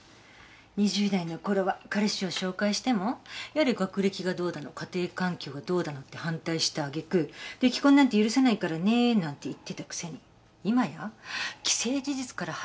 ２０代のころは彼氏を紹介してもやれ学歴がどうだの家庭環境がどうだのって反対した揚げ句「でき婚なんて許さないからね」なんて言ってたくせに今や「既成事実から入るのも手よ」って。